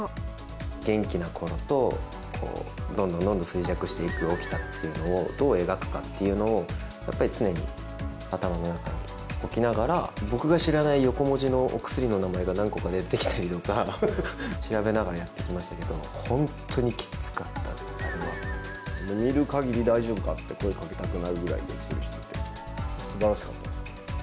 元気なころと、どんどんどんどん衰弱していく沖田っていうのを、どう描くかというのを、やっぱり常に頭の中に置きながら、僕が知らない横文字のお薬の名前が何個か出てきたりとか、調べながらやってきましたけれども、本当にきつかったです、見るからに大丈夫かって、声かけたくなるぐらいげっそりしていて、すばらしかったです。